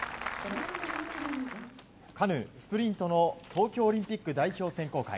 カヌー、スプリントの東京オリンピック代表選考会。